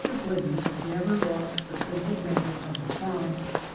Glidden has never lost the simple manners of the farm.